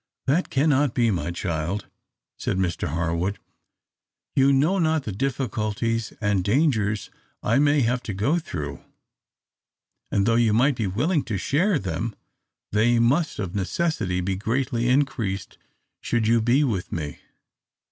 "That cannot be, my child!" said Mr Harwood. "You know not the difficulties and dangers I may have to go through; and though you might be willing to share them, they must of necessity be greatly increased should you be with me.